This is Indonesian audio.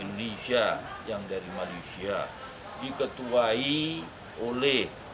orang indonesia yang berpengalaman dalam universitas indonesia